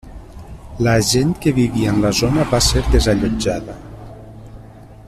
La gent que vivia en la zona va ser desallotjada.